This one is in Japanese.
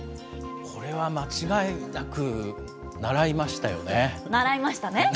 これは間違いなく、習いましたよね。